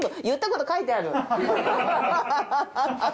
言ったこと書いてある。